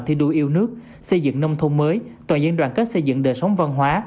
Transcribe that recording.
thi đua yêu nước xây dựng nông thôn mới toàn diện đoàn kết xây dựng đời sống văn hóa